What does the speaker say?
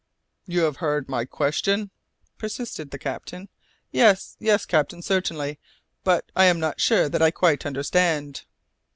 "You have heard my question?" persisted the captain. "Yes, yes, captain, certainly, but I am not sure that I quite understand."